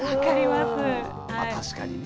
確かに。